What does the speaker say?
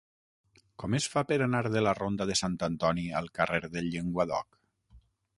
Com es fa per anar de la ronda de Sant Antoni al carrer del Llenguadoc?